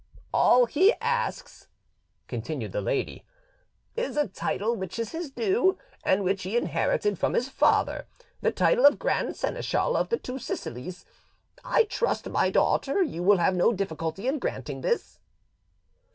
"All he asks," continued the lady, "is a title which is his due, and which he inherited from his father—the title of Grand Seneschal of the Two Sicilies: I trust, my daughter, you will have no difficulty in granting this."